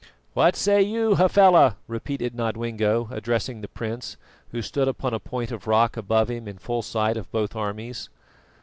"What say you, Hafela?" repeated Nodwengo, addressing the prince, who stood upon a point of rock above him in full sight of both armies.